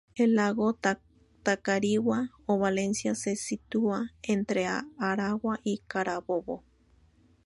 El Lago Tacarigua o Valencia se sitúa entre Aragua y Carabobo.